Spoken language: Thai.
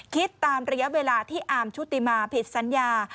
คิดตามระยะเวลาที่อาร์มชุติมาผิดสัญญา